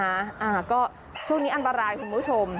ประมาณ๔เมตรนะช่วงนี้อันตรายคุณผู้ชม